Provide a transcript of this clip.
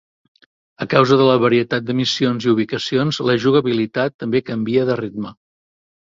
A causa de la varietat de missions i ubicacions, la jugabilitat també canvia de ritme.